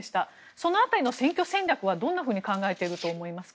その辺りの選挙戦略はどう考えていると思いますか？